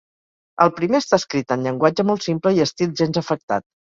El primer està escrit en llenguatge molt simple i estil gens afectat.